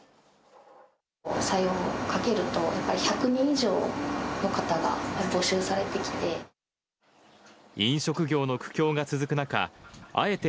採用をかけると、やっぱり１００人以上の方が募集されてきて。